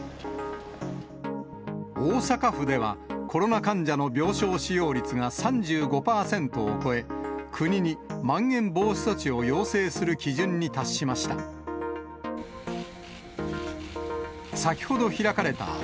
大阪府では、コロナ患者の病床使用率が３５％を超え、国にまん延防止措置を要請する基準に達しました。